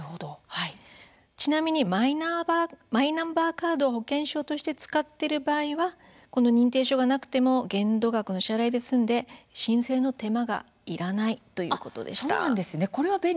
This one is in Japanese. ちなみにマイナンバーカードを保険証として使っている場合はこの認定証がなくても限度額の支払いで済んで申請の手間がいらないということです。